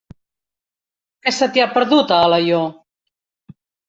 Què se t'hi ha perdut, a Alaior?